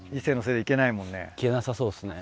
行けなさそうですね。